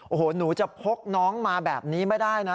โอ้โหหนูจะพกน้องมาแบบนี้ไม่ได้นะ